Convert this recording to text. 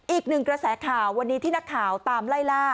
อีกหนึ่งกระแสข่าววันนี้ที่นักข่าวตามไล่ล่า